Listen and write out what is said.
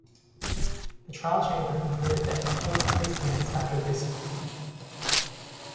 The trial chamber concluded that he killed the prisoners after they surrendered.